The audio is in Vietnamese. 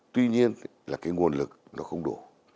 tuy nhiên là cái nguồn lực nó không đủ